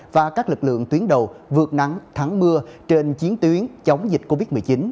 và các lực lượng tuyến đầu vượt nắng thắng mưa trên chiến tuyến chống dịch covid một mươi chín